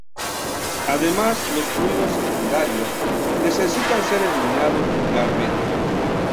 Además, los fluidos secundarios necesitan ser eliminados regularmente.